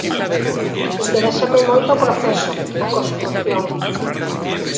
Interésame moito o proceso, a construción.